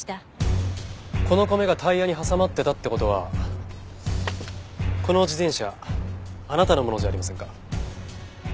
この米がタイヤに挟まってたって事はこの自転車あなたのものじゃありませんか？